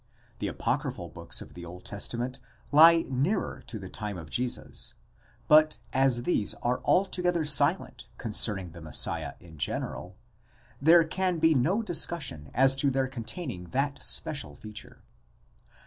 The apocryphal books of the Old Testament lie nearer to the time of Jesus ; but as these are altogether silent concerning the Messiah in general,' there can be no discussion as to their containing that special feature.